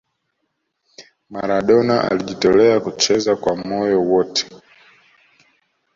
maradona alijitolea kucheza kwa moyo wote